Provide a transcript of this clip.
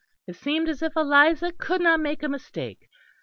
It seemed as if Eliza could not make a mistake.